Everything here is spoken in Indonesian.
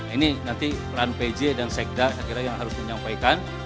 ini nanti peran pj dan sekda saya kira yang harus menyampaikan